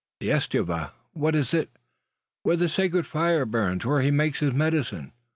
"The estufa! what is it?" "Where the sacred fire burns; where he makes his medicine."